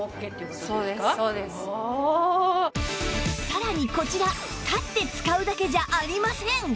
さらにこちら立って使うだけじゃありません